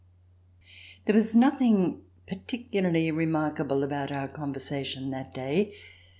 There was nothing particularly remarkable about our conversation that day.